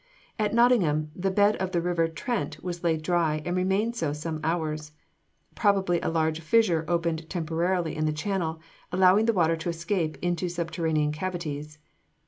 At Nottingham the bed of the river Trent was laid dry and remained so some hours. Probably a large fissure opened temporarily in the channel, allowing the water to escape into subterranean cavities.